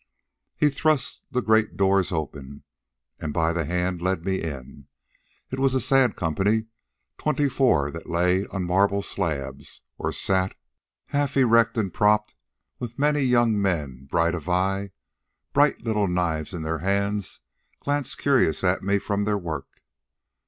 "He thrust the great doors open, and by the hand led me in. It was a sad company. Twenty four, that lay on marble slabs, or sat, half erect and propped, while many young men, bright of eye, bright little knives in their hands, glanced curiously at me from their work."